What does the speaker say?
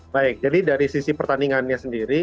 baik jadi dari sisi pertandingannya sendiri